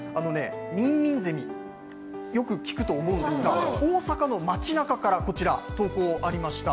ミンミンゼミよく聞くと思うんですが大阪の街なかから投稿がありました。